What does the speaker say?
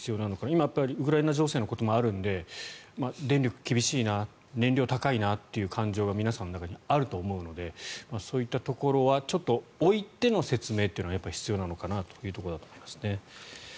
今、ウクライナ情勢のこともあるので電力厳しいな燃料高いなという感情が皆さんの中にあると思うのでそういったところはちょっと、置いての説明は必要なのかなというところだと思いますね。